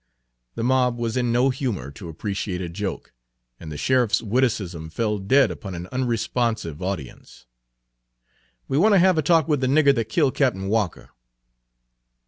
The mob was in no humor to appreciate a joke, and the sheriffs witticism fell dead upon an unresponsive audience. Page 75 "We want to have a talk with the nigger that killed Cap'n Walker."